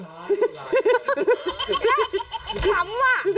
เนี่ย